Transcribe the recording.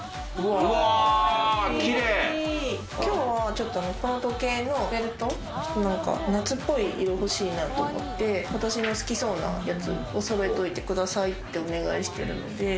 今日はこの時計のベルト、夏っぽい色が欲しいなと思って、私の好きそうなやつをそろえておいてくださいってお願いしているので。